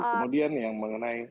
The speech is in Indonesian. kemudian yang mengenai